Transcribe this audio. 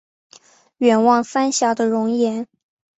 远望三峡的容颜